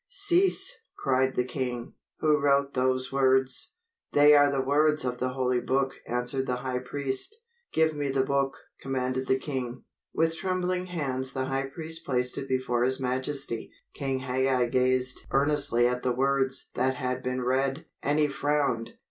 "Cease!" cried the king. "Who wrote those words?" "They are the words of the Holy Book," answered the high priest. "Give me the book," commanded the king. With trembling hands the high priest placed it before his majesty. King Hagag gazed earnestly at the words that had been read, and he frowned.